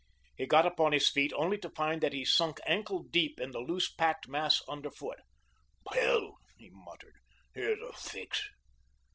He got upon his feet only to find that he sunk ankle deep in the loose packed mass underfoot. "Hell," he muttered, "here's a fix."